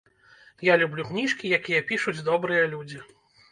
Я люблю кніжкі, якія пішуць добрыя людзі.